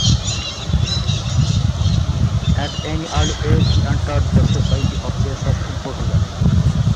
At an early age he entered the Society of Jesus in Portugal.